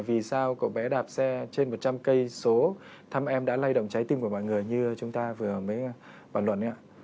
vì sao cậu bé đạp xe trên một trăm linh km thăm em đã lây động trái tim của mọi người như chúng ta vừa mới bàn luận